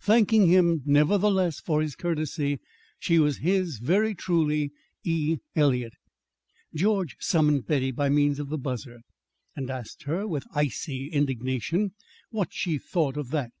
Thanking him, nevertheless, for his courtesy, she was his very truly, E. Eliot. George summoned Betty by means of the buzzer, and asked her, with icy indignation, what she thought of that.